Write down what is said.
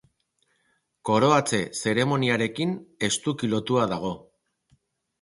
Koroatze zeremoniarekin estuki lotua dago.